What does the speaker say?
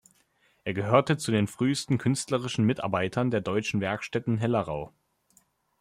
Er gehörte zu den frühesten künstlerischen Mitarbeitern der Deutschen Werkstätten Hellerau.